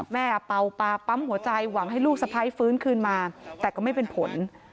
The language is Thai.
เป่าปลาปั๊มหัวใจหวังให้ลูกสะพ้ายฟื้นคืนมาแต่ก็ไม่เป็นผล